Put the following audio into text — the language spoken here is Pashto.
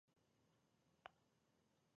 افغانستان د خپلو څلور دېرش ولایتونو کوربه دی.